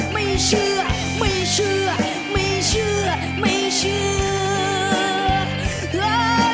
ไม่เชื่อไม่เชื่อไม่เชื่อไม่เชื่อเพราะ